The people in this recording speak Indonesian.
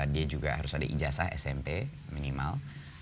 dia juga harus ada ijazah smp minimal